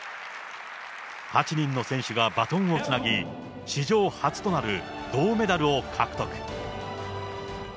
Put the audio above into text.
８人の選手がバトンをつなぎ、史上初となる銅メダルを獲得。